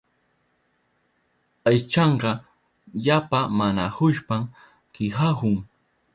Aychanka yapa nanahushpan kihahun.